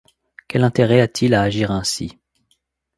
Quel intérêt a-t-il à agir ainsi